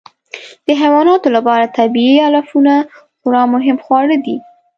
د حیواناتو لپاره طبیعي علفونه خورا مهم خواړه دي.